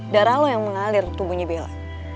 darah lo yang mengalir tubuhnya bella